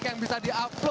selamat tahun baru